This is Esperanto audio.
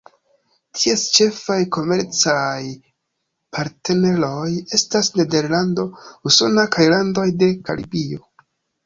Ties ĉefaj komercaj partneroj estas Nederlando, Usono kaj landoj de Karibio.